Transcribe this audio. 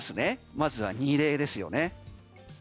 まずは二礼ですよね。